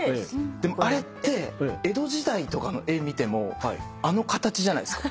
あれって江戸時代とかの絵見てもあの形じゃないっすか。